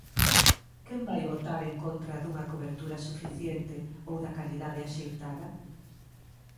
¿Quen vai votar en contra dunha cobertura suficiente ou da calidade axeitada?